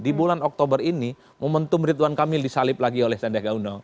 di bulan oktober ini momentum ridwan kamil disalib lagi oleh sandiaga uno